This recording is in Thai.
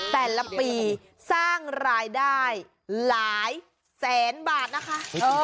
แต่ละปีสร้างรายได้หลายแสนบาทนะคะ